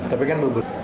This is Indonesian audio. tapi kan bubur